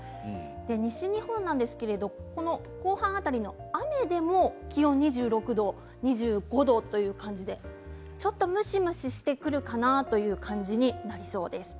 西日本なんですけれど後半辺りの雨でも気温が２６度、２５度という感じでちょっと、むしむししてくるかなという感じになりそうです。